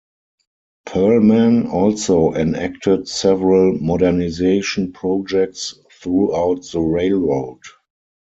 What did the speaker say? Perlman also enacted several modernization projects throughout the railroad.